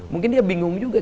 mungkin dia bingung juga